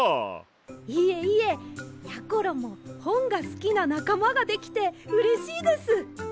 いえいえやころもほんがすきななかまができてうれしいです！